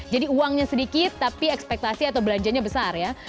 jadi uangnya sedikit tapi ekspektasi atau belanjanya besar ya